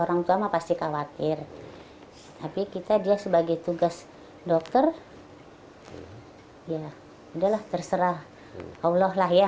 orang tua mah pasti khawatir tapi kita dia sebagai tugas dokter ya udahlah terserah allah lah ya